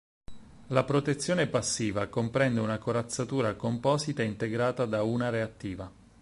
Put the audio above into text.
La protezione passiva comprende una corazzatura composita integrata da una reattiva.